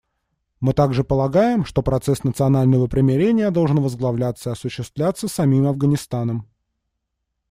Мы также полагаем, что процесс национального примирения должен возглавляться и осуществляться самим Афганистаном.